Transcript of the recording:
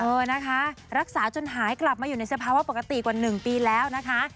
เออนะคะรักษาจนหายกลับมาอยู่ในสภาวะปกติกว่า๑ปีแล้วนะคะ